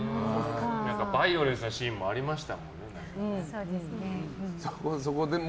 バイオレンスなシーンもありましたもんね。